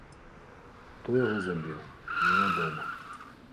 Хто яго забіў, невядома.